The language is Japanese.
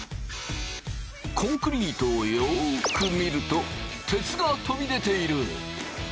コンクリートをよく見ると鉄が飛び出ている！